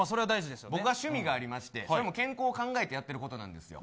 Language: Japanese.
僕は趣味がありましてそれも健康を考えてやってることなんですよ。